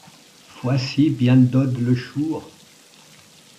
Foissi piendôd le chour!...